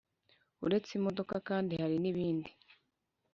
uretse imodoka kandi hari nibindi